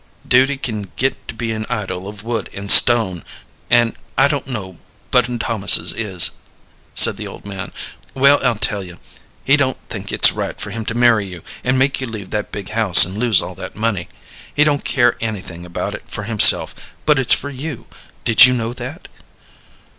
"Duty can get to be an idol of wood and stone, an' I don't know but Thomas's is," said the old man. "Well, I'll tell you. He don't think it's right for him to marry you, and make you leave that big house, and lose all that money. He don't care anything about it for himself, but it's for you. Did you know that?"